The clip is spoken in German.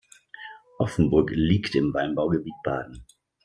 Offenburg liegt im Weinanbaugebiet Baden.